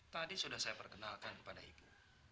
tadi sudah saya perkenalkan kepada ibu